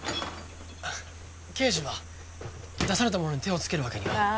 刑事は出されたものに手をつけるわけには